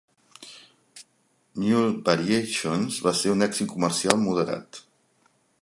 "Mule Variations" va ser un èxit comercial moderat.